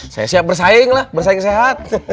saya siap bersaing lah bersaing sehat